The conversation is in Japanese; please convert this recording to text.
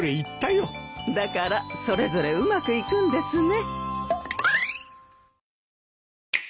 だからそれぞれうまくいくんですね。